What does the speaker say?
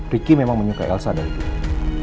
riki memang menyukai elsa dari dulu